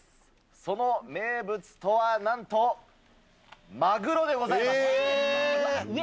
その名物とはなんとマグロでございます。